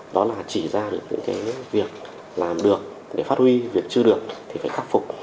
đó là chỉ ra những việc làm được để phát huy việc chưa được thì phải khắc phục